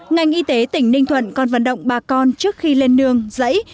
ngành y tế tỉnh ninh thuận còn vận động bà con trước khi lên nương giấy